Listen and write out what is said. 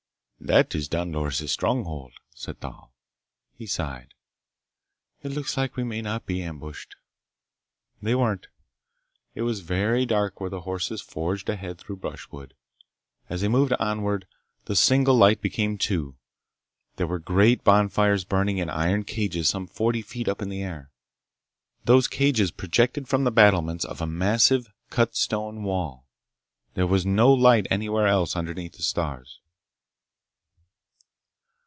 "That is Don Loris' stronghold," said Thal. He sighed. "It looks like we may not be ambushed." They weren't. It was very dark where the horses forged ahead through brushwood. As they moved onward, the single light became two. They were great bonfires burning in iron cages some forty feet up in the air. Those cages projected from the battlements of a massive, cut stone wall. There was no light anywhere else underneath the stars.